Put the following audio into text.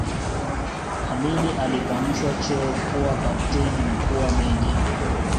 Amin alipandishwa cheo kuwa kapteni na kuwa meja